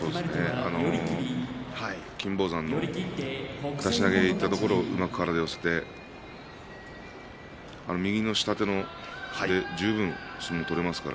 金峰山の出し投げにいったところをうまく体を寄せて右の下手で十分相撲が取れますから。